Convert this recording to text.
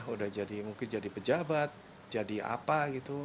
udah jadi mungkin jadi pejabat jadi apa gitu